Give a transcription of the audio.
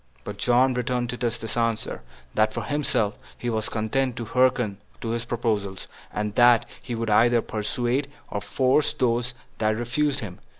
But John returned Titus this answer: That for himself he was content to hearken to his proposals, and that he would either persuade or force those that refused them.